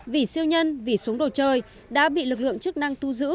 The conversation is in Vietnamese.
vỉ siêu nhân vỉ súng đồ chơi đã bị lực lượng chức năng thu giữ